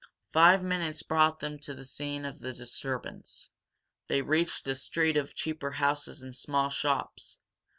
Five minutes brought them to the scene of the disturbance. They reached a street of cheaper houses and small shops.